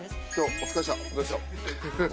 お疲れさまでした。